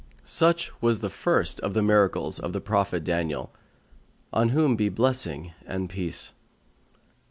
Such was the first of the miracles of the Prophet Daniel, on whom be blessing and peace!